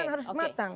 ini kan harus matang